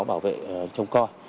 bảo vệ trong co